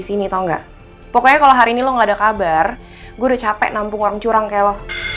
sini tau nggak pokoknya kalau hari ini lo nggak ada kabar gue udah capek nampung orang curang kayak lo